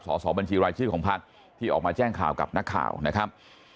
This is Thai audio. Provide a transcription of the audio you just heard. สอบบัญชีรายชื่อของพักที่ออกมาแจ้งข่าวกับนักข่าวนะครับ